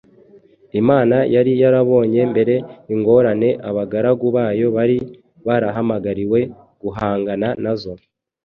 Imana yari yarabonye mbere ingorane abagaragu bayo bari barahamagariwe guhangana nazo,